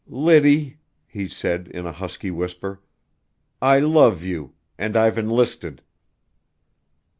"Liddy," he said in a husky whisper, "I love you, and I've enlisted!"